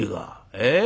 ええ？